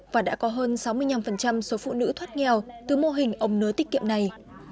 và đã có hơn sáu mươi năm số phụ nữ thoát nghèo từ mô hình ống nứa tiết kiệm này